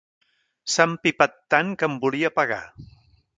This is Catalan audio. S'ha empipat tant, que em volia pegar!